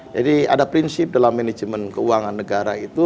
jadi ada prinsip dalam manajemen keuangan negara itu